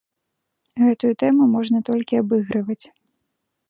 Гэтую тэму можна толькі абыгрываць.